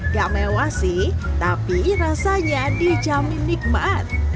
gak mewah sih tapi rasanya dijamin nikmat